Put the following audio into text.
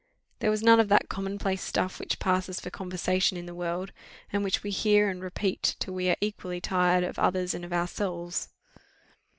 There was none of that commonplace stuff which passes for conversation in the world, and which we hear and repeat till we are equally tired of others and of ourselves.